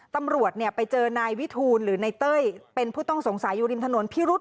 ตำรวจเนี่ยไปเจอนายวิทูลหรือนายเต้ยเป็นผู้ต้องสงสัยอยู่ริมถนนพิรุษ